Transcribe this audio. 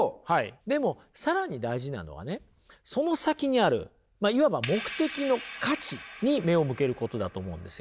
でも更に大事なのはねその先にあるいわば目的の価値に目を向けることだと思うんですよ。